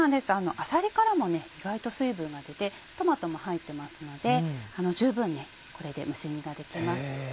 あさりからも意外と水分が出てトマトも入ってますので十分これで蒸し煮ができます。